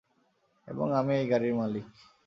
এবং আমি এই গাড়ির মালিক।